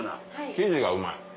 生地がうまい。